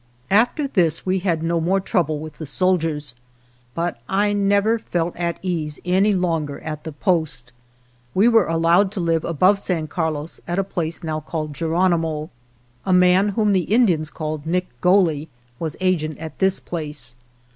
After this we had no more trouble with the soldiers, but I never felt at ease any longer at the Post. We were allowed to live above San Carlos at a place now called Geronimo. A man whom the Indians called " Nick Golee " was agent at this place.